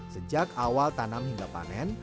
sejak awal tanam hingga panen